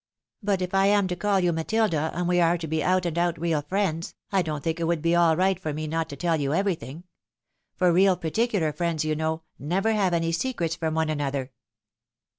But if I am to call you Matilda, and we are to be out and out real friends, I don't think it would be at all right for me not to tell you everything. For real particular friends, you know, never have any secrets from one another."